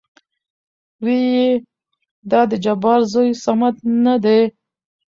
ويېېې دا د جبار زوى صمد نه دى ؟